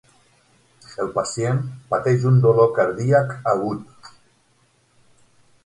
El pacient pateix un dolor cardíac agut.